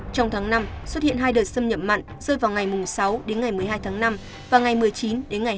trong tháng năm xuất hiện hai đợt xâm nhập mặn rơi vào ngày sáu một mươi hai tháng năm và ngày một mươi chín hai mươi năm tháng năm